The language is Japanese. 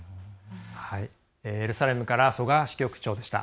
エルサレムから曽我支局長でした。